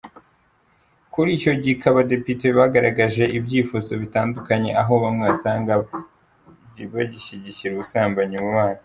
Kuri icyo gika, Abadepite bagaragaje ibyifuzo bitandukanye aho bamwe basanga gishyigikira ubusambanyi mu bana.